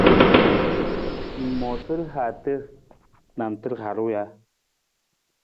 Ng moosa rihaata nantar harung ja?